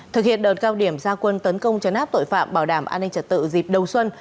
thực hiện đợt cao điểm gia quân tấn công chấn áp tội phạm bảo đảm an ninh trật tự dịp đầu xuân